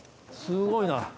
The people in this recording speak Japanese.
すごいな。